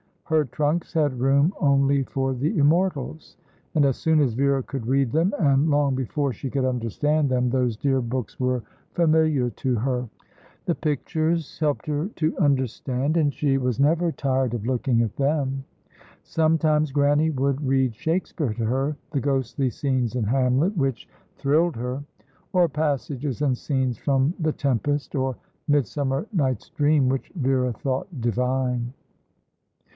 Her trunks had room only for the Immortals, and as soon as Vera could read them, and long before she could understand them, those dear books were familiar to her. The pictures helped her to understand, and she was never tired of looking at them. Sometimes Grannie would read Shakespeare to her, the ghostly scenes in Hamlet, which thrilled her, or passages and scenes from the Tempest, or Midsummer Night's Dream, which Vera thought divine.